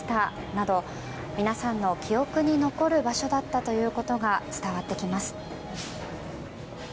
など皆さんの記憶に残る場所だったということが伝わってきます。